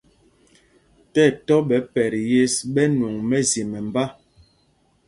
Ti ɛtɔ́ ɓɛ̌ pɛt yes ɓɛ nwɔŋ mɛzye mɛmbá.